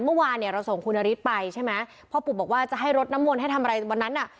เมื่อวานเนี่ยเราส่งคุณนฤทธิ์ไปใช่ไหมพ่อปู่บอกว่าจะให้รดน้ำมนต์ให้ทำอะไรวันนั้นอ่ะ